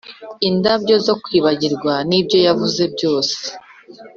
indabyo zo kwibagirwa, "nibyo yavuze byose;